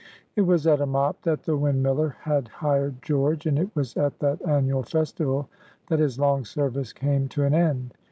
It was at a mop that the windmiller had hired George, and it was at that annual festival that his long service came to an end.